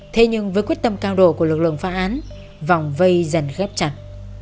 thế nhưng với quyết tâm cao độ của lực lượng phá án vòng vây dần ghép chặt